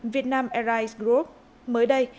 vietnam airlines group mới đây